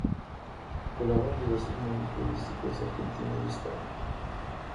Colabora en diversos medios periodísticos de Argentina y de España.